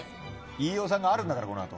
飯尾さんのがあるんだからこのあと。